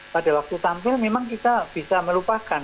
pada waktu tampil memang kita bisa melupakan